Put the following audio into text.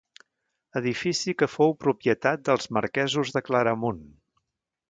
Edifici que fou propietat dels Marquesos de Claramunt.